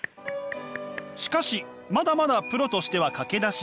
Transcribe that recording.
しかしまだまだプロとしては駆け出し。